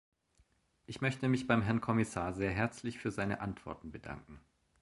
Ich möchte mich beim Herrn Kommissar sehr herzlich für seine Antworten bedanken.